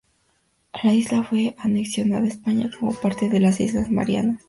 La isla fue anexionada a España como parte de las Islas Marianas.